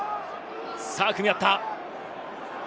さぁ、組み合った。